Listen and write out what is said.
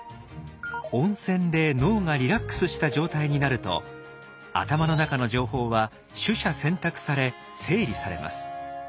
温泉で脳がリラックスした状態になると頭の中の情報は取捨選択され整理されます。